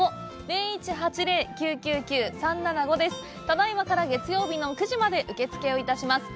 ただいまから月曜日の９時まで受付をいたします。